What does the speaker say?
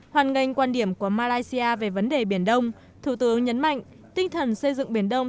hoàn ngành quan điểm của malaysia về vấn đề biển đông thủ tướng nhấn mạnh tinh thần xây dựng biển đông